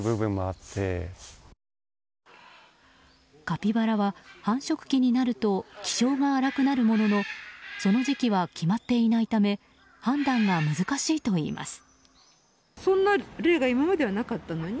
カピバラは繁殖期になると気性が荒くなるもののその時期は決まっていないため判断が難しいといいます。